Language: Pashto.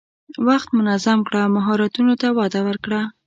وخت منظم کړه، مهارتونو ته وده ورکړه.